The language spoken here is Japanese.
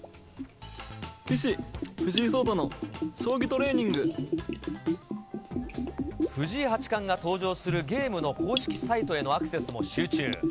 棋士・藤井聡太の将棋トレー藤井八冠が登場するゲームの公式サイトへのアクセスも集中。